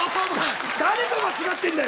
誰と間違ってるんだよ。